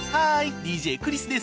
ＤＪクリスです。